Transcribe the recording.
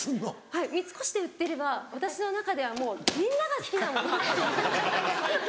はい三越で売ってれば私の中ではもうみんなが好きなものっていう。